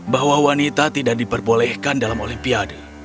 bahwa wanita tidak diperbolehkan dalam olimpiade